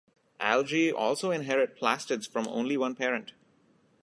Algae also inherit plastids from only one parent.